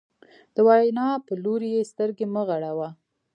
د وینا په لوري یې سترګې مه غړوه.